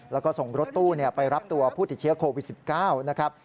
แล้วก็ส่งรถตู้ไปรับตัวผู้ติดเชื้อโควิด๑๙นะครับ